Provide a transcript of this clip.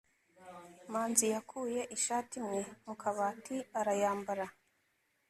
manzi yakuye ishati imwe mu kabati arayambara